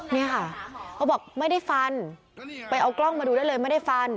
เนี่ยค่ะเขาบอกไม่ได้ฟันไปเอากล้องมาดูได้เลยไม่ได้ฟัน